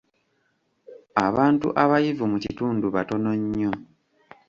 Abantu abayivu mu kitundu batono nnyo.